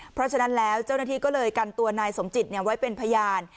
เพราะฉะนั้นแล้วเจ้าหน้าที่ก็เลยกันตัวนายสมจิตไว้เป็นพยาน